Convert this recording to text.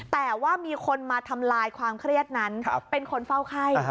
แต่ว่ามีคนมาทำลายความเครียดนั้นเป็นคนเฝ้าไข้